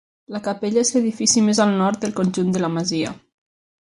La capella és l'edifici més al nord del conjunt de la masia.